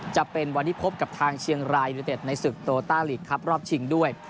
จะเป็นวันที่พบกับทางเชียงรายยูนิเต็ดในศึกโตต้าลีกครับรอบชิงด้วย